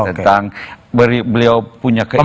tentang beliau punya keinginan